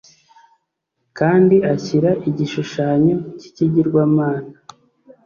Kandi ashyira igishushanyo cy ikigirwamana